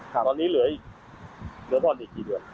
๑๔๐๐๐บาทตอนนี้เหลือผ่อนอีกกี่เดือน